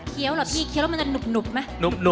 เคี้ยวเหรอพี่เคี้ยวแล้วมันจะหนุบมั้ย